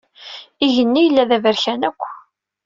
Igenni yella d aberkan akk.